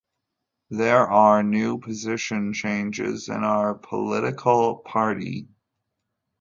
There are new position changes in our political party.